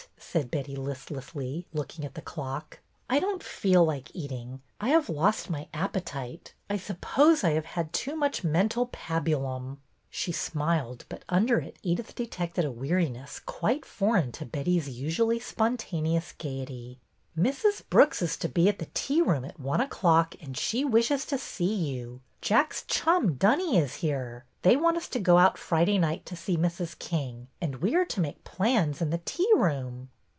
said Betty, listlessly, looking at the clock. " I don't feel like eating. I have lost my appetite. I suppose I have had too much mental pabulum !" She smiled, but under it Edyth detected a weari ness quite foreign to Betty's usually spontaneous gayety. " Mrs. Brooks is to be at the tea room at one o'clock and she wishes to see you. Jack's chum, Dunny, is here. They want us to go out Friday night to see Mrs. King, and we are to make plans in the tea room."